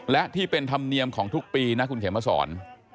และที่เป็นธรรมเนียมของทุกปีนะคุณเขียนมาสอน